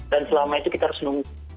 dan selama itu kita harus nunggu